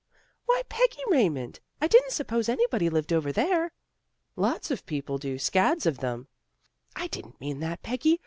"Why, Peggy Raymond, I didn't suppose anybody lived over there." " Lots of people do. Scads of 'em." " I didn't mean that, Peggy.